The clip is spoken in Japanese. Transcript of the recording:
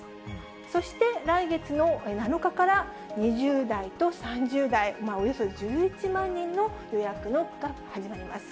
そして来月の７日から、２０代と３０代、およそ１１万人の予約が始まります。